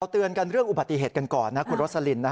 เราเตือนกันเรื่องอุบัติเหตุกันก่อนคุณลดสลิน